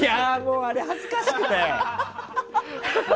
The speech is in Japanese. あれ、恥ずかしくて！